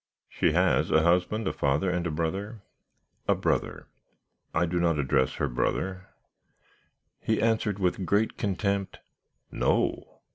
"'She has a husband, a father, and a brother?' "'A brother.' "'I do not address her brother?' "He answered with great contempt, 'No.'